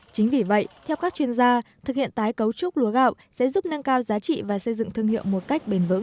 chính vì vậy theo các chuyên gia thực hiện tái cấu trúc lúa gạo sẽ giúp nâng cao giá trị và xây dựng thương hiệu một cách bền vững